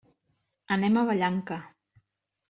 Anem a Vallanca.